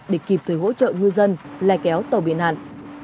để kịp thời hỗ trợ ngư dân lai kéo tàu bị nạn